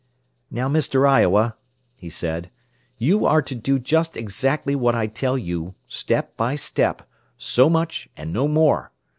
"Now, Mr. Iowa," he said, "you are to do just exactly what I tell you, step by step, so much and no more.